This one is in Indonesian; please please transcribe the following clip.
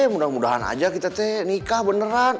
mudah mudahan aja kita teh nikah beneran